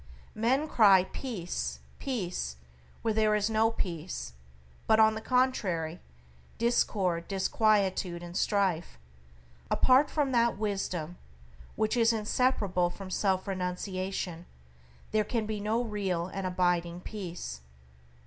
Men cry peace! peace! where there is no peace, but on the contrary, discord, disquietude and strife. Apart from that Wisdom which is inseparable from self renunciation, there can be no real and abiding peace.